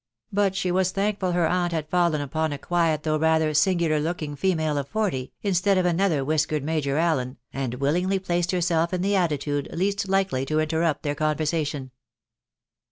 . but she was thankful her aunt had fallen upon a quiet though rather singular looking female of forty, instead of another whiskered Major Allen, and willingly placed herself in the attitude least likely to interrupt their conversation.